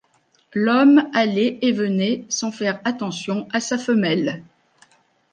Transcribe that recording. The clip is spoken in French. L’homme allait et venait sans faire attention à sa femelle.